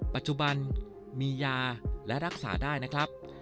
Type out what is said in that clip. ปัจจุบันมียาและรักษาได้นะครับ